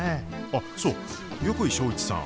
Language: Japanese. あっそう横井庄一さん。